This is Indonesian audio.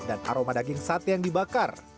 dan aroma daging sate yang dibakar